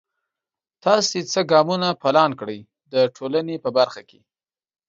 تاسې څه ګامونه پلان کړئ د ټولنپوهنې په برخه کې؟